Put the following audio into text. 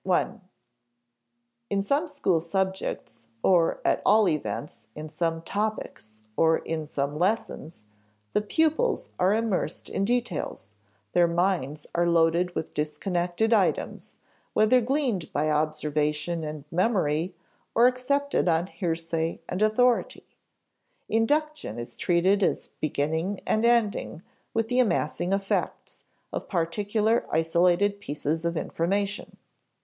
(i) In some school subjects, or at all events in some topics or in some lessons, the pupils are immersed in details; their minds are loaded with disconnected items (whether gleaned by observation and memory, or accepted on hearsay and authority). Induction is treated as beginning and ending with the amassing of facts, of particular isolated pieces of information.